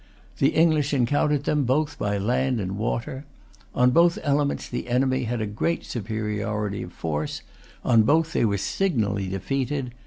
The English encountered them both by land and water. On both elements the enemy had a great superiority of force. On both they were signally defeated.